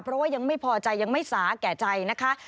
เพราะว่ายังไม่พอใจยังไม่สาแก่ใจนะคะ